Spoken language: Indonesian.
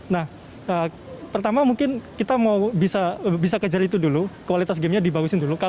nah pertama mungkin kita mau bisa kejar itu dulu kualitas gamenya dibagusin dulu